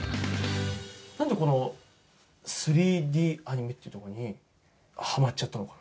なんでこの３Ｄアニメっていうものにはまっちゃったのかな。